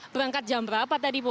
berangkat jam berapa tadi bu